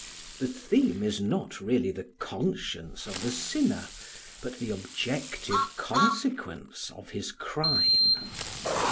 The theme is not really the conscience of the sinner but the objective consequence of his crime.